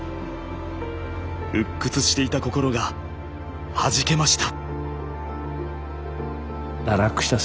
鬱屈していた心がはじけました。